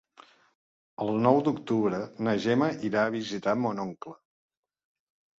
El nou d'octubre na Gemma irà a visitar mon oncle.